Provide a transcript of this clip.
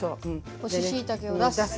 干ししいたけを出す。